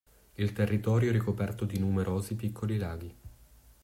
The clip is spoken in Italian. Il territorio è ricoperto di numerosi piccoli laghi.